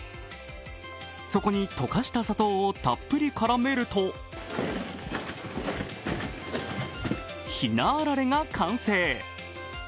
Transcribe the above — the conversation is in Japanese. そこに溶かした砂糖をたっぷり絡めるとひなあられが完成。